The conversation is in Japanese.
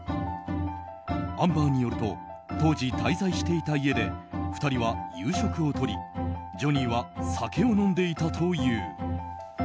アンバーによると当時、滞在していた家で２人は夕食をとりジョニーは酒を飲んでいたという。